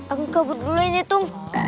aku kabur dulu ini tung